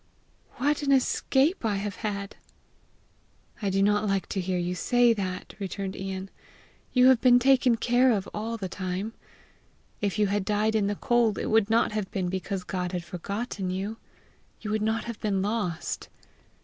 "What an escape I have had!" "I do not like to hear you say that!" returned Ian. "You have been taken care of all the time. If you had died in the cold, it would not have been because God had forgotten you; you would not have been lost."